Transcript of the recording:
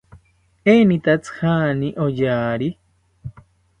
¿Enitatzi jaani oyari?